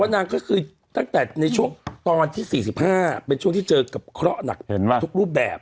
นางก็คือตั้งแต่ในช่วงตอนที่๔๕เป็นช่วงที่เจอกับเคราะห์หนักทุกรูปแบบ